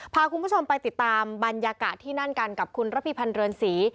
พาคุณผู้ชมไปติดตามบรรยากาศที่นั่นกันกับคุณระพิพันธ์เรือนศรี